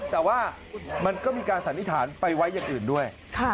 แต่ว่ามันก็มีการสันนิษฐานไปไว้อย่างอื่นด้วย